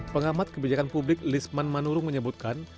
pengamat kebijakan publik lisman manurung menyebutkan